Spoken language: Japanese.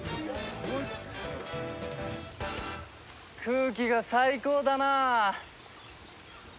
空気が最高だなあ！